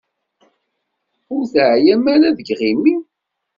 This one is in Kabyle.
Ur teεyam ara seg yiɣimi?